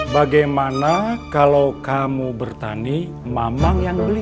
bagaimana kalau kamu bertani mamang yang beli